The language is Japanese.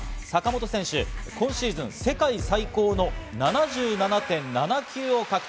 坂本選手、今シーズン世界最高の７７．７９を獲得。